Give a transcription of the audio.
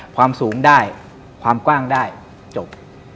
ความสูงได้ความกว้างได้จบ